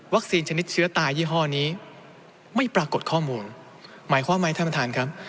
ชนิดเชื้อตายี่ห้อนี้ไม่ปรากฏข้อมูลหมายความไหมท่านประธานครับ